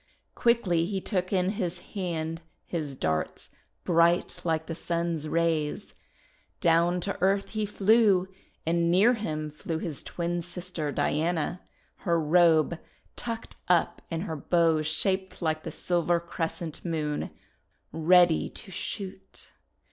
Quickly he took in his hand his darts bright like the Sun's rays. Down to earth he flew, and near him flew his twin sister, Diana, her robe tucked up and her 146 THE WONDER GARDEN bow shaped like the silver crescent moon, ready to shoot.